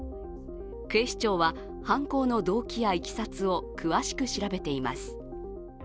警視庁は、犯行の動機やいきさつを詳しく調べています。